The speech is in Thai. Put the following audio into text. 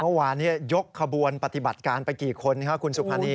เมื่อวานนี้ยกขบวนปฏิบัติการไปกี่คนครับคุณสุภานี